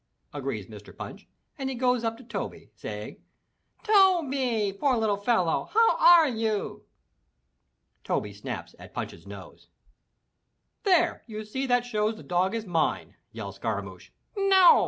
agrees Mr. Punch, and he goes up to Toby, saying, "Toby, poor little fellow, how are you?" Toby snaps at Punch's nose. "There you see that shows the dog is mine!" yells Scaramouch. "No!"